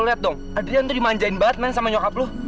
lihat dong adrian tuh dimanjain banget sama nyokap loh